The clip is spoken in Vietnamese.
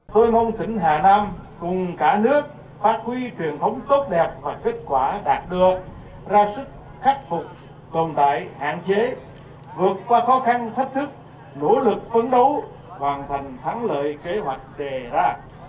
tôi mong tỉnh hà nam cùng cả nước phát huy truyền thống tốt đẹp và kết quả đạt được ra sức khắc phục tồn tại hạn chế vượt qua khó khăn thách thức nỗ lực phấn đấu hoàn thành thắng lợi kế hoạch đề ra